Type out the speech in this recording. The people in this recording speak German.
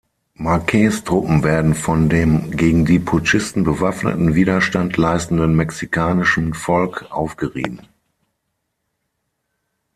Marquez’ Truppen werden von dem gegen die Putschisten bewaffneten Widerstand leistenden mexikanischen Volk aufgerieben.